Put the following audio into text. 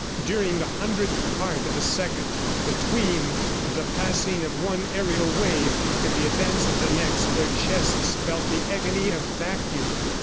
During the hundredth part of a second, between the passing of one aerial wave and the advance of the next, their chests felt the agony of vacuum.